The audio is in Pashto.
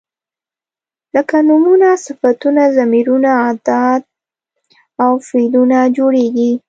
لکه نومونه، صفتونه، ضمیرونه، ادات او فعلونه جوړیږي.